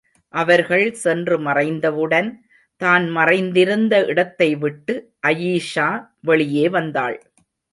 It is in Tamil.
அவர்கள் சென்று மறைந்தவுடன், தான் மறைந்திருந்த இடத்தைவிட்டு அயீஷா வெளியே வந்தாள்.